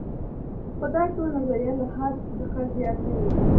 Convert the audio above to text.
خو دا ټول نظریات له حدس څخه زیات نه دي.